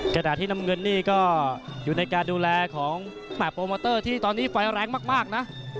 ขณะที่น้ำเงินนี่ก็อยู่ในการดูแลของโปรโมเตอร์ที่ตอนนี้ไฟแรงมากนะ